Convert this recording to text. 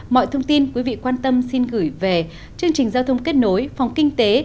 mọi thông tin quý vị quan tâm xin gửi về chương trình giao thông kết nối phòng kinh tế